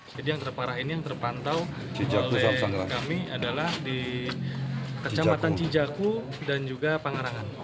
jadi yang terparah ini yang terpantau oleh kami adalah di kecamatan cijaku dan juga pangarangan